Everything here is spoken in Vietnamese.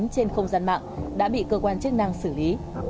trên không gian mạng đã bị cơ quan chức năng xử lý